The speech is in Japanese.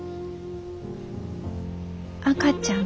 赤ちゃん？